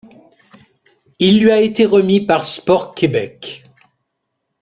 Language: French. Il lui a été remis par Sports Québec.